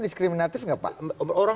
diskriminatif gak pak